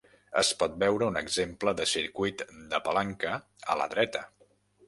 Es pot veure un exemple de circuit de palanca a la dreta.